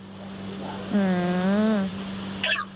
อืม